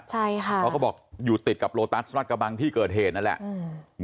ใช่ค่ะเขาก็บอกอยู่ติดกับโลตัสรัดกระบังที่เกิดเหตุนั่นแหละอืม